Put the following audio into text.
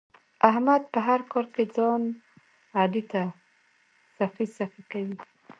احمد په هر کار کې ځان علي ته سخی سخی کوي.